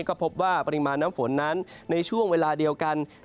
ก็พบว่าปริมาณน้ำฝนนั้นในช่วงเวลาเดียวกัน